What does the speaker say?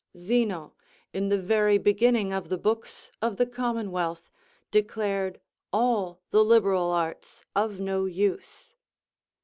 Zeno, in the very beginning of the books of the commonwealth, declared all the liberal arts of no use.